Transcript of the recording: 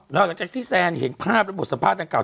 แล้วหลังจากที่แซนเห็นภาพและบทสัมภาษณ์ดังกล่า